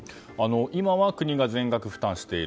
今は国が全額負担している。